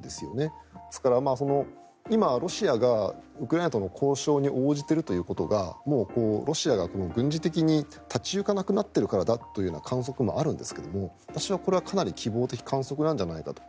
ですから、今、ロシアがウクライナとの交渉に応じているということがもうロシアが軍事的に立ち行かなくなっているからだという観測もあるんですが私はこれはかなり希望的観測なんじゃないかと。